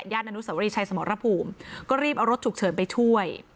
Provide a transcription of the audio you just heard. อนุสวรีชัยสมรภูมิก็รีบเอารถฉุกเฉินไปช่วย